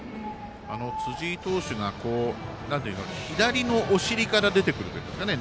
辻井投手が左のお尻から出てくるというんですかね。